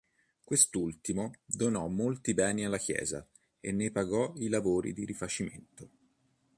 Quest'ultimo donò molti beni alla chiesa e ne pagò i lavori di rifacimento.